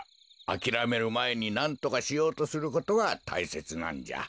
あきらめるまえになんとかしようとすることがたいせつなんじゃ。